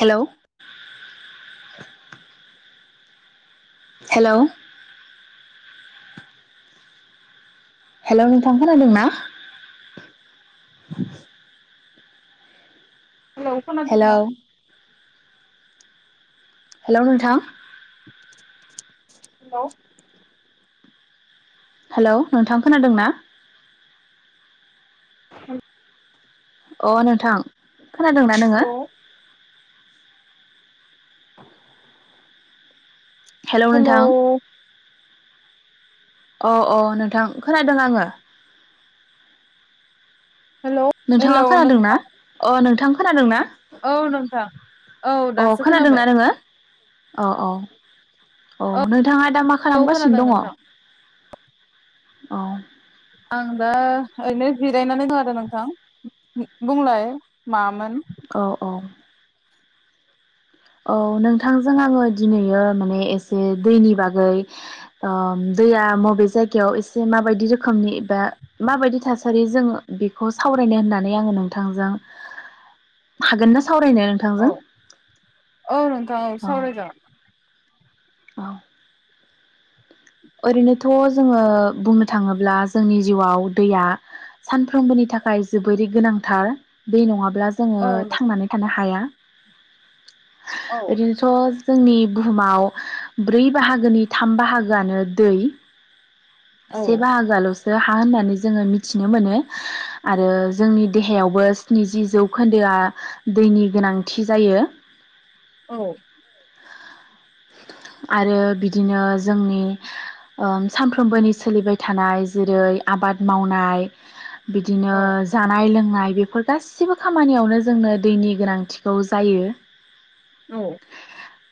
हेल' hello hello नोंथां खोनादों ना हेल' खोनादोंना हेल' नोंथां हेल' हेल' नोंथां खोनादों ना? औ अ नोंथां खोनादोंनाा नोङो हेलौ हेलौ हेल' नोंथां अ अ नोंथां खोनादों आङो हेलौ नोंथाङा हेलौ खोनादोंना नोंथां अ नोंथां खोनादोंना औ नोंथां औ दासो खोनादोंना खोनाबाय नोङो औ औ औ नै नोंथाङा दा मा औ खालामगासिनो खोनादों दङ औ नोंथां आं दा ओरैनो जिरायनानै दं आरो नोंथां बुंलाय मामोन औ औ औ नोंथांजों आङो दिनैयो माने एसे दैनि बागै दैया बबे जायगायाव एसे माबायदि रोखोमनि एबा माबायदि थासारि जों बेखौ सावरायनो होननानै आङो नोंथांजों हागोन ना सावरायनो नोंथांजों औ औ नोंथां औ सावराय जागोन। औ ओरैनोथ' जोङो बुंनो थाङोब्ला जोंनि जिउआव दैया सानफ्रोमबोनि थाखाय जोबोरै गोनांथार दै नङाब्ला। अब्ला जोङो औ नोंथां थांनानै थानो हाया। औ ओरैनोथ' जोंनि बुहुमाव ब्रै बाहागोनि थाम बाहागोआनो दै औ से बाहागाल'सो हा होननानै जोङो मिथिनो मोनो आरो जोंनि देहायावबो स्निजि जौखोन्दोआ दैनि गोनांथि जायो। आरो बिदिनो जोंनि सानफ्रोमबोनि सोलिबाय थानाय जेरै आबाद मावनाय बिदिनो औ जानाय लोंनाय बेफोर गासिबो खामानियावनो जोंनो दैनि गोनांथिखौ जायो।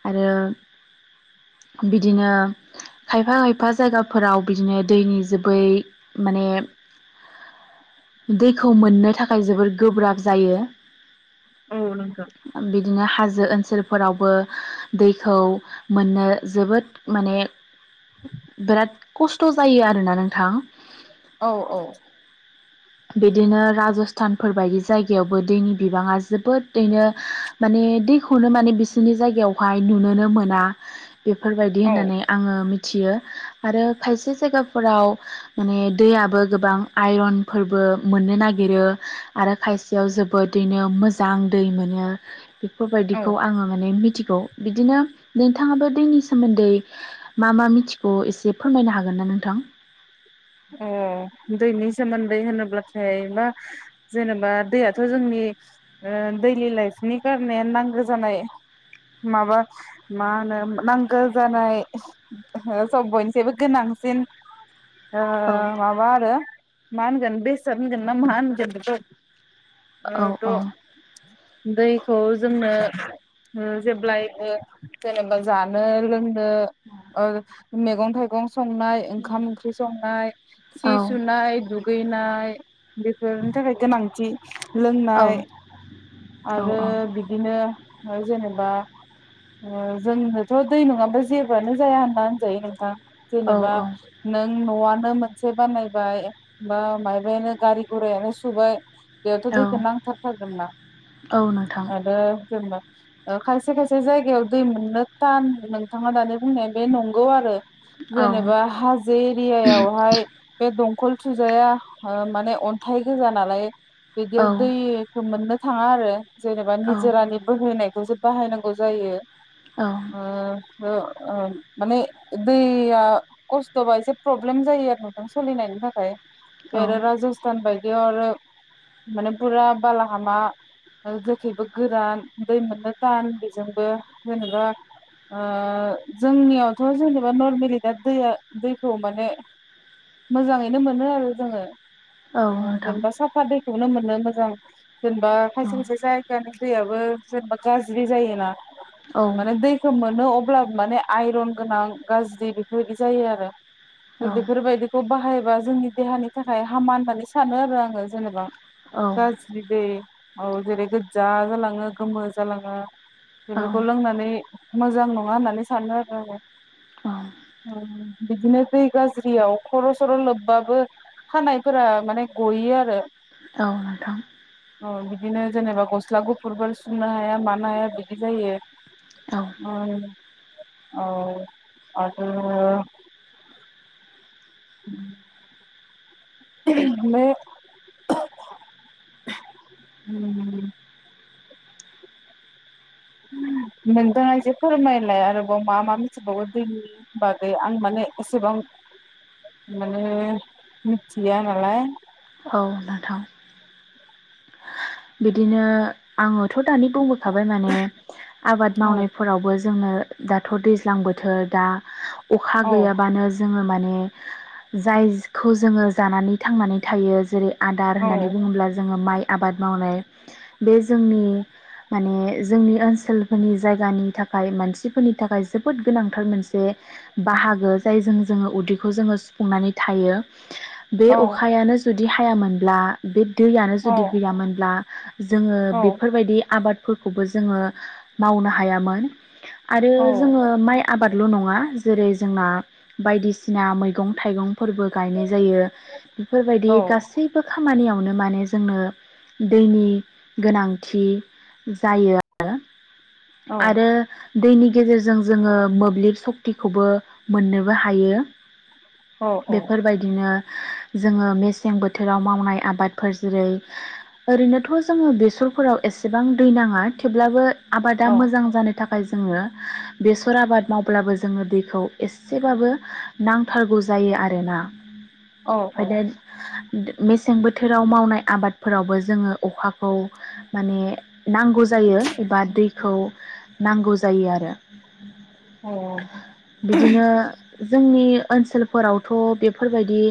आरो बिदिनो खायफा खायफा जायगाफोराव बिदिनो दैनि जोबै माने दैखौ मोननो थाखाय जोबोर गोब्राब जायो। औ नोंगौ। हाजो ओनसोलफोरावबो दैखौ मोननो जोबोद माने बिराद खस्थ' जायो आरोना नोंथां। औ औ। बिदिनो राजस्थानफोर बायदि जायगायावबो दैनि बिबाङा जोबोदनो माने दैखौनो माने बिसोरनि जायगायावहाय नुनोनो मोना। बेफोरबायदि औ होननानै आङो मि थियो आरो खायसे जायगाफोराव माने दैयाबो गोबां आइरन फोरबो मोननो नागिरो आरो खायसेयाव जोबोदैनो मोजां दै मोनो। औ बेफोरबायदिखौ आङो माने मिथि गौ बिदिनो नोंथाङाबो दैनि सोमोन्दै मा मा मिथिखौ एसे फोरमायनो हागोन ना नोंथां? ओ दैनि सोमोन्दै होनोब्लाथाय मा जेनेबा दैयाथ' जोंनि दैलि लाइफनि कारने नांगौ जानाय माबा मा होनो नांगौ जानाय सब बयनिसबो गोनांसिन ओ औ माबा आरो मा मोनगोन बेसाद होनगोन ना मा होनगोन। ओ औ औ थ' दैखौ जोंनो ओ जेब्लाय जेनेबा जानो लों नों ओ मैगं थाइगं संनाय ओंखाम ओंख ओंख्रि संनाय सि औ सुनाय दुगैनाय बेफोरनि थाखाय गोनांथि लोंनाय औ औ आरो बिदिनो जेनेबा ओ जोंनोथ' दै नङाबा जेबोआनो जाया होनना होनजायो नोंथां। औ जेनेबा न'आनो मोनसे बानायबाय बा माबायानो गारि गुरायानो सुबाय बेयावथ' औ दैखौ नांथारथागोन ना औ नोंथां आरो जेनबा खायसे खायसे जायगायाव दै मोननो थान नोंथाङा दानि बुंनाया बे नंगौ आरो औ जेनेबा हाज जो एरियायावहाय बे दं खल थुजाया माने अन्थाइ गोजा नालाय औ [unintelligible] थाङा आरो जेनेबा औ निजोरानि बोहोनायखौ बाहायनांगौ जायो। ओ ओ ओ माने दैया खस थबा एसे प्रब्लेम जायो आरो नोंथां सोलिनायनि थाखाय औ जेथो राजस्थान बाय बेयावनो माने बुरा बालाहामा ओ जेखेबो गोरान दै मोननो थान बेजोंबो जेनेबा ओ जोंनियावथ' जेनेबा नरमेलि दा दैया। दैखौ माने मोजाङैनो मोनो आरो जोङो। औ नोंथां उमजेनेबा साफा दैखौनो मोनोमोन। [inaudible] जेनेबा औ खाइसे खाइसे जायगानि। दैयाबो जेनेबा गाज्रि जायोना। होबालाय दैखौ मोनो अ- ब्लाबो माने आइरन गोनां गाज्रि बिफोरबायदि जायो आरो। [inaudible] [unintelligible] औ खौ बाहायबा जोंनि देहानि थाखाय हामा होननानै सानो आरो आङो जेनेबा। औ औ गाज्रि दै। औ जेरै गोज्जा जालाङो गोमो जालाङो। बेफोरखौ लोंनानै। मोजां नङा होननानै सानो आरो आङो औ उम। बिदिनो दै गाज्रियाव खर' सर' लोबबाबो खानायफोरा माने गयो आरो। औ नोंथां। औ बिदिनो जेनेबा गस्ला गुफुरफोर सुनो हाया मानो हाया बिदि जायो औ उम औ आरो। [inaudible] [unintelligible] उम नोंथाङा एसे फोरमायलाय आरोबाव मा मा मिथिबावो दैनि बागै आं माने एसेबां माने। औ नोंथां। बिदिनो आङोथ' दानि बुं खाबाय माने आबाद औ मावनायफोरावबो जोंङो। दाथ' दैज्लां बोथोर दा। अखा औ गैयाबानो जोङो माने। जायजखौ जोङो जानानै थांनानै थायो जेरै आदार औ होननानै बुंब्ला जोङो माइ। आबाद। मावनाय बे जोंनि माने जोंनि ओनसोलफोरनि जायगानि थाखाय मानसिफोरनि थाखाय जोबोत गोनांथार मोनसे जायजों जोंङो उदैखौहाय सुफुंना थायो। बे औ अखायानो जुदि हा हायामोनब्ला [unintelligible] दैयानो औ जुदि गैयामोन। ब्ला जोंङो औ बेफोरबायदि आबाद। फोरखौबो जोंङो मावनो हायामोन। आरो औ जोङो माइ आबादल' नङा। जेरै जोंना बायदिसिना मैगं थाइगं फोरबो गायनाय जायो बेफोरबायदि औ गासैबो खामानियाव माने जोंनो दैनि गोनांथि जायो आरो आरो दैनि गेजेरजों जोङो मोब्लिब सशक्तिखौबो मोननोबो हायो। औ बेफोरबायदिनो जोङो मेसें बोथोराव मावनाय आबादफोर जेरै ओरैनोथ' जोङो बेसरफोराव एसेबां दै नाङा थेवब्लाबो। दा औ मोजां जानो थाखाय जोङो बेसर आबाद मावब्लाबो जोङो दैखौ एसेबाबो नांथारगौ जायो आरोना। औ ओमफ्राय औ दा मेसें बोथोराव मावनाय आबादफोरावबो जोङो अखाखौ माने नांगौ जायो एबा दै खौ नांगौ जायो आरो औ बिदिनो जोंनि ओनसोलफोराव थ' बेफोरबायदि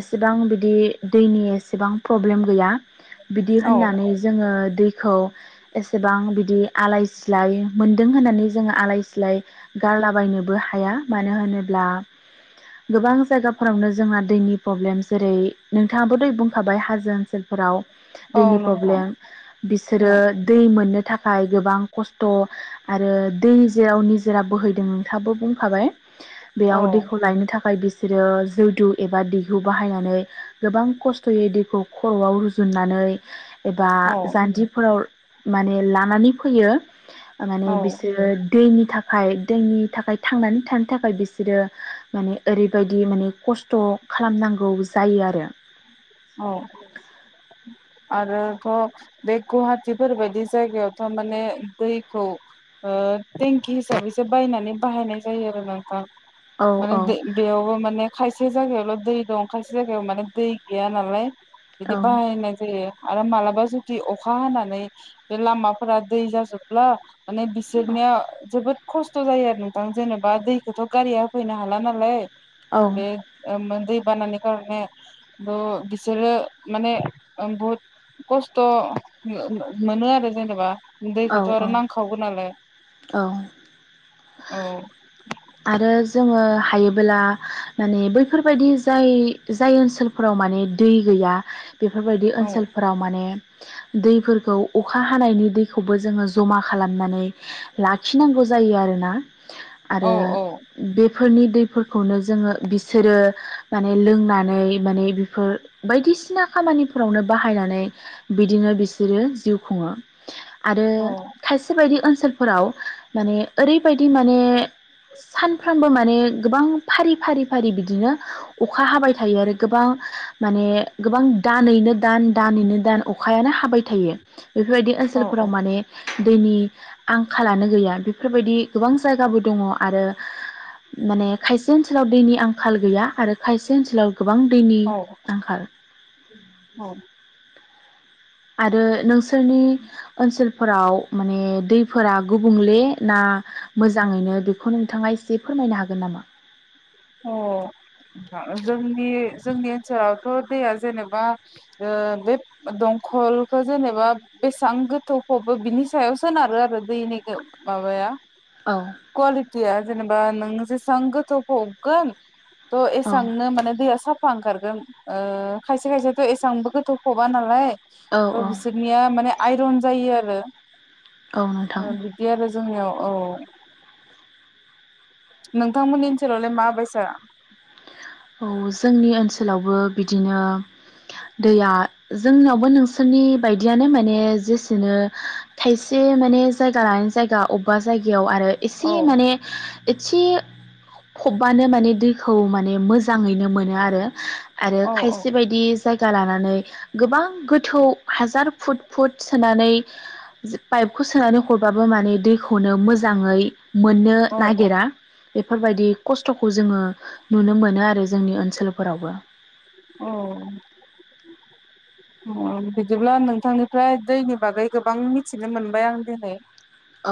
एसेबां बिदि दैनि एसेबां प्रब्लेम गैया। बिदि औ होननानै जोङो दै खौ एसेबां बिदि आलाय सिलाय मोनदों होननानै जोङो आलाय सिलाय गारलाबायनोबो हाया मानो होनोब्ला गोबां जायगाफोरावनो जोंहा दैनि प्रब्लेम जेरै नोंथाङाबो दै बुंखाबाय हाजो ओनसोलफोराव औ दैनि नोंथां प्रब्लेम औ बिसोरो दै मोननो थाखाय गोबां खस्थ' आरो दै जेराव जेरा बोहैदों नोंथांआबो बुं खाबाय औ बेयाव दैखौ लायनो थाखाय बिसे बिसोरो जौदु एबा दैहु बाहायनानै गोबां खस्थ'यै दैखौ खर'आव रुजुननानै एबा औ जान्जिफोराव माने लानानै फैयो माने औ बिसोरो दैनि थाखाय दैनि थाखाय थांनानै थानो थाखाय बिसोरो माने ओरैबायदि माने खस्थ' खालामनांगौ जायो आरो औ ए आरोथ' बे गुवाहाटिफोरबायदि जायगायावथ' माने दैखौ ओ थें खि हिसाबैसो बायनानै बाहायनाय जायो आरो नोंथां। औ माने बे-बेयावबो माने खायसे जायगायावल' दै दं खायसे जायगायाव माने दै गैया नालाय बिदि औ बानायनाय जायो आरो माला बा जुदि अखा हानानै बे लामाफोरा दै जाजोबब्ला माने बिसोरनिया जोबोद खस्थ' जायो आरो नोंथां जेनेबा दैखौथ' गारिया होफैनो हाला नालाय औ बे ओ मोन दै बानानि [unintelligible] ओ बिसोरो माने ओं बहुद खस्थ' ओ ओ मोनो आरो जेनेबा औ दैखौथ' आरो नांखागौ नालाय औ औ। आरो जोङो हायोबोला माने बैफोरबायदि जाय जाय ओनसोलफोराव माने दै गैया बेफोरबायदि औ ओनसोलफोराव माने दैफोरखौ अखा हानायनि दैखौबो जोङो जमा खालामनानै लाखिनांगौ जायो आरोना औ आरो औ बे फोरनि दैफोरखौनो जोङो बिसोरो माने लोंनानै माने बेफोर बायदिसिना खामानिफोरावनो बाहायनानै बिदिनो बिसोरो जिउ खुङो। आरो औ खायसे बायदि ओन सोलफोराव माने ओरैबायदि माने सानफ्रोमबो माने गोबां फारि फारि फारि बिदिनो अखा हाबाय थायो आरो गोबां माने गोबां दानैैनो दान दानैैनो दान अखायानो हाबाय थायो बेफोरबायदि औ ओनसोलफोराव माने दैनि आंखालानो गैया। बेफोरबायदि गोबां जायगाबो दङ आरो माने खायसे ओनसोलाव दैनि आंखाल गैया आरो खायसे ओनसोलाव गोबां दैनि औ आंखाल। औ आरो नोंसो नि ओनसोल फोराव माने दैफोरा गुबुंले ना मोजाङैनो बेखौ नोंथाङा एसे फोरमायनो हागोन नामा? अ जोंनि जोंनि ओनसोलावथ' दैया जेनेबा ओ बे दंखलखौ जेनेबा बेसेबां गोथौ फबो बिनि सायाव सोनारो आरो दैनि माबाया औ कवालिटिया जेनेबा नोङो जेसेबां गोथौ फब गोन थ' औ एसेबांनो माने दैया साफा ओंखारगोन। ओ खायसे खायसेथ' एसेबांबो गोथौ फबा नालाय औ बिसोरनिया माने आइरन जायो आरो। औ नोंथां बिदि आरो जोंनियाव। औ। नोंथांमोननि ओनसोलावलाय मा बायसार। औ जोंनि ओनसोलावबो बिदिनो दैया जोंनावबो नोंसोरनि बायदियानो माने जेसेनो खायसे माने जायगा लानानै जायगा अबेबा जायगायाव आरो औ एसे माने। एसे फबबानो माने दैखौ माने मोजां। मोजाङैनो मोनो आरो। आरो औ खायसे बायदि जाय। दा लानानै गोबां गोथौ हाजार फुट फुट सोनानै पाइपखौ सोनानै हरबाबो माने दैखौनो मोजाङै। मोननो औ नागिरा। बेफोरबायदि खस्थ'खौ जोङो नुनो मोनो आरो। जोंनि ओनसोलफोरावबो। औ। बिदिब्ला नोंथांनिफ्राय दैनि बागै गोबां मिथिनो मोनबाय आं दिनै।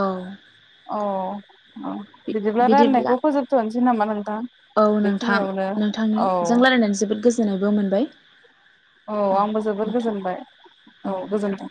औ औ बिदिब्ला रायलायनायखौ फोजोबथ'नोसै नामा नोंथां औ नोंथां बेखिनियावनो औ। नोंथांनिजों रायलायनानै जोबोद गोजोननायबो मोनबाय औ आंबो जोबोद गोजोनबाय औ गोजोनथों।